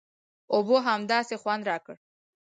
اوبو همداسې خوند راکړ.